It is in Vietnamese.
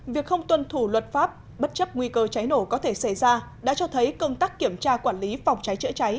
việc không tuân thủ luật pháp bất chấp nguy cơ cháy nổ có thể xảy ra đã cho thấy công tác kiểm tra quản lý phòng cháy chữa cháy